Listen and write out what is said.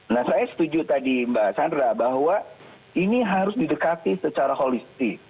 nah saya setuju tadi mbak sandra bahwa ini harus didekati secara holistik